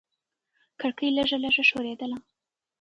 کړکۍ لږه لږه ښورېدله.